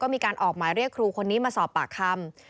มีการออกหมายเรียกครูคนนี้มาสอบปากคำ